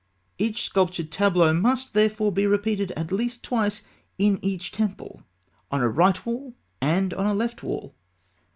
Each sculptured tableau must, therefore, be repeated at least twice in each temple on a right wall and on a left wall.